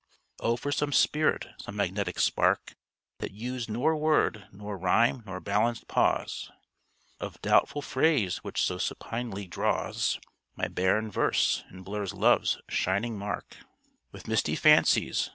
Oh for some spirit, some magnetic spark, That used nor word, nor rhyme, nor balanced pause Of doubtful phrase, which so supinely draws My barren verse, and blurs love's shining mark With misty fancies!